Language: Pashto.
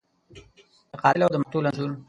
د قاتل او د مقتول انځور